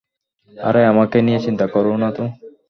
আরে, আমাকে নিয়ে চিন্তা করো না তো।